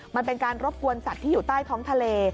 มันเป็นการรบกวนสัตว์ที่อยู่ใต้ท้องทะเล